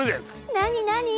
何何？